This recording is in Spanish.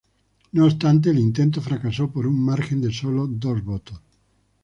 No obstante, el intento fracasó por un margen de sólo dos votos.